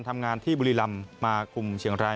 ทำงานที่บุรีรำมาคุมเชียงราย